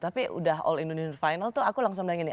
tapi udah all indonesia final tuh aku langsung bilang gini